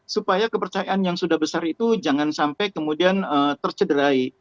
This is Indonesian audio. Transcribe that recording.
supaya kepercayaan yang sudah besar itu jangan sampai kemudian tercederai